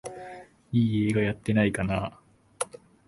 いい映画やってないかなあ